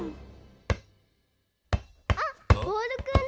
あっボールくんだ！